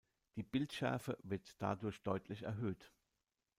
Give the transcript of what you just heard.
Die Bildschärfe wird dadurch deutlich erhöht.